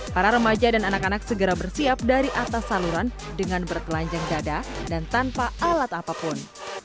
para remaja dan anak anak segera bersiap dari atas saluran dengan berkelanjang dada dan tanpa alat apapun